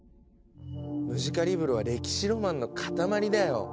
ムジカリブロは歴史ロマンの塊だよ。